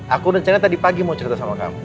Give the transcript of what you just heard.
aku rencana tadi pagi mau cerita sama kamu